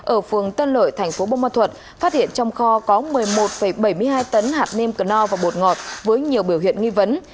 ở phường tân lợi tp bông ma thuật phát hiện trong kho có một mươi một bảy mươi hai tấn hạt nêm cơ no và bột ngọt với nhiều biểu hiện nghi vấn